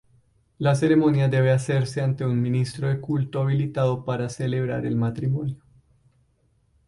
La ceremonia debe hacerse ante un ministro de culto habilitado para celebrar el matrimonio.